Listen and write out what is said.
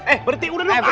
eh berhenti udah lupa